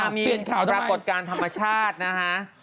มีปรากฏการณ์ธรรมชาตินะฮะ